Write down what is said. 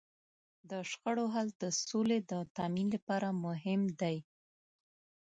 د شخړو حل د سولې د تامین لپاره مهم دی.